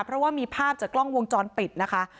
เพราะว่ามีภาพจากกล้องวงจรปิดนะคะ